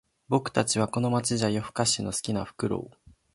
僕たちはこの街じゃ夜ふかしの好きなフクロウ